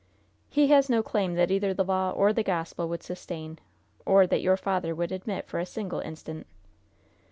"He has no claim that either the law or the gospel would sustain, or that your father would admit for a single instant."